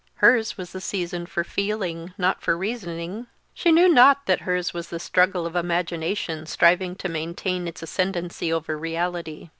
Hers was the season for feeling, not for reasoning. She knew not that hers was the struggle of imagination striving to maintain its ascendency over reality.